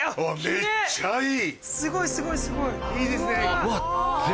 めっちゃいい！